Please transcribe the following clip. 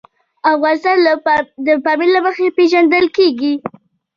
افغانستان د پامیر له مخې پېژندل کېږي.